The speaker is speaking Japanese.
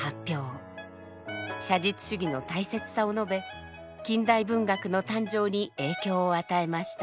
写実主義の大切さを述べ近代文学の誕生に影響を与えました。